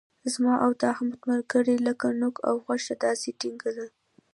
زما او د احمد ملګري لکه نوک او غوښه داسې ټینګه ده.